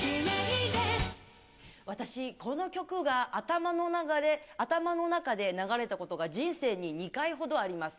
私、この曲が頭の中で流れたことが人生に２回ほどあります。